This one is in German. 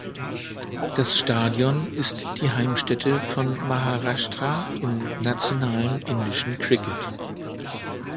Das Stadion ist die Heimstätte von Maharashtra im nationalen indischen Cricket.